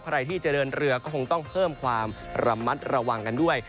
ใครที่จะเดินเรือก็คงต้องเพิ่มความระมัดระวังกันด้วย